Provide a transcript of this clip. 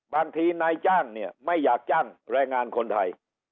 บางทีนายจ้างไม่อยากจ้างแรงงานคนไทย